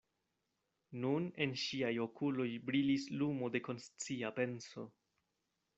Nun en ŝiaj okuloj brilis lumo de konscia penso.